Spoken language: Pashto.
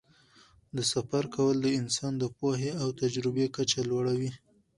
د سفر کول د انسان د پوهې او تجربې کچه لوړوي.